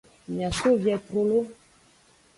Mia so vie trolo.